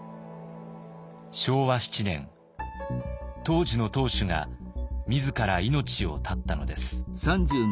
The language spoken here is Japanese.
当時の当主が自ら命を絶ったのです。